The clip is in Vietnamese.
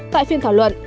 tại phiên thảo luận